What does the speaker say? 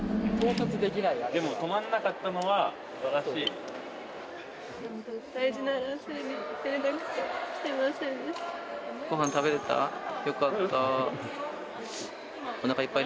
でも、止まんなかったのはすばらしい。